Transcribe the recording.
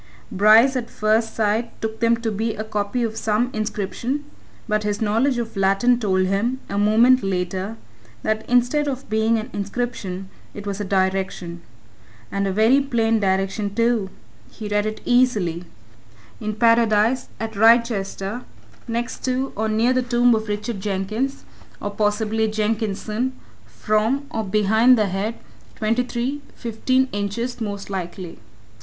Bryce at first sight took them to be a copy of some inscription but his knowledge of Latin told him, a moment later, that instead of being an inscription, it was a direction. And a very plain direction, too! he read it easily. In Paradise, at Wrychester, next to, or near, the tomb of Richard Jenkins, or, possibly, Jenkinson, from, or behind, the head, twenty three, fifteen inches, most likely.